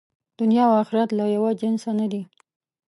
دنیا او آخرت له یوه جنسه نه دي.